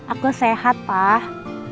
aku sehat pak